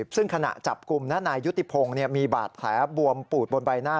ซึ่งขณะจับกลุ่มนายยุติพงศ์มีบาดแผลบวมปูดบนใบหน้า